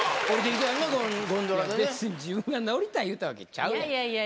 別に自分が乗りたい言うたわけちゃうで。